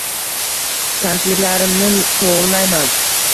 Kamchiliklarimni toʻgʻirlayman.